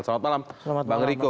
selamat malam bang riko